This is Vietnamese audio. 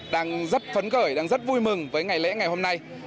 đang rất phấn khởi đang rất vui mừng với ngày lễ ngày hôm nay